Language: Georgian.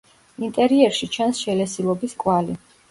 ინტერიერში ჩანს შელესილობის კვალი.